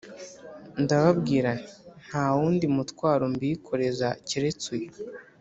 Ndababwira nti: Nta wundi mutwaro mbīkoreza keretse uyu,